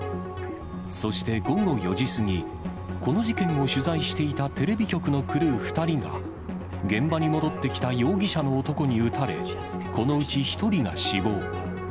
そして午後４時過ぎ、この事件を取材していたテレビ局のクルー２人が、現場に戻ってきた容疑者の男に撃たれ、このうち１人が死亡。